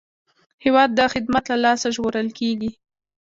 هېواد د خدمت له لاسه ژغورل کېږي.